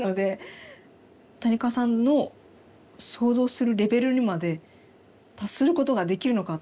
谷川さんの想像するレベルにまで達することができるのか。